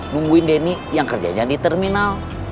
nungguin denny yang kerjanya di terminal